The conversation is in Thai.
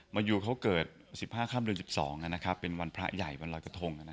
มะยูเขาเกิด๑๕คร่ำเดือน๑๒เป็นวันภรรยายวันรักษกระทง